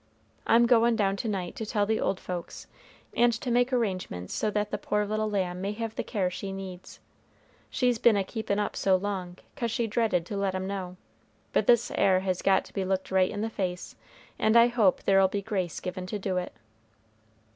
I'm goin' down to night to tell the old folks, and to make arrangements so that the poor little lamb may have the care she needs. She's been a keepin' up so long, 'cause she dreaded to let 'em know, but this 'ere has got to be looked right in the face, and I hope there'll be grace given to do it."